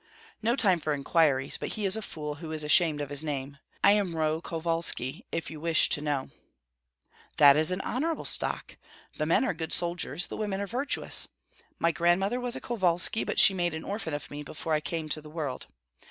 "No time for inquiries, but he is a fool who is ashamed of his name. I am Roh Kovalski, if you wish to know." "That is an honorable stock! The men are good soldiers, the women are virtuous. My grandmother was a Kovalski, but she made an orphan of me before I came to the world.